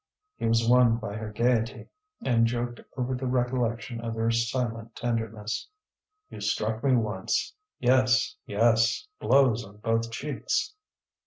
He was won by her gaiety, and joked over the recollection of their silent tenderness. "You struck me once. Yes, yes, blows on both cheeks!"